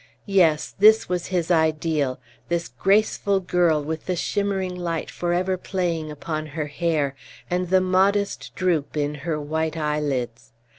Yes, this was his ideal this graceful girl, with the shimmering light for ever playing upon her hair, and the modest droop in her white eyelids.